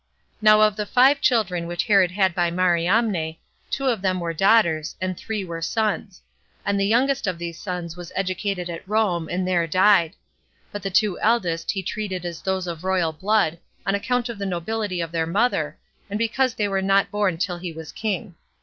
Now of the five children which Herod had by Mariamne, two of them were daughters, and three were sons; and the youngest of these sons was educated at Rome, and there died; but the two eldest he treated as those of royal blood, on account of the nobility of their mother, and because they were not born till he was king.